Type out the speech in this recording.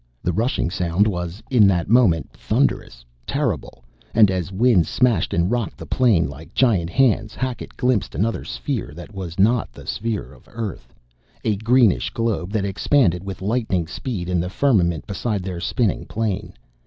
The rushing sound was in that moment thunderous, terrible, and as winds smashed and rocked the plane like giant hands, Hackett glimpsed another sphere that was not the sphere of Earth, a greenish globe that expanded with lightning speed in the firmament beside their spinning plane!